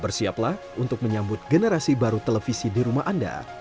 bersiaplah untuk menyambut generasi baru televisi di rumah anda